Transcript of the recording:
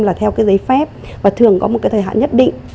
là theo cái giấy phép và thường có một cái thời hạn nhất định